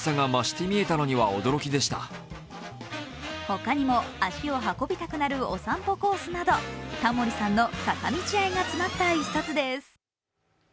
ほかにも足を運びたくなるお散歩コースなどタモリさんの坂道愛が詰まった一冊です。